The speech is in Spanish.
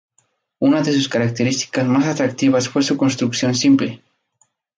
Una de sus características más atractivas fue su construcción simple.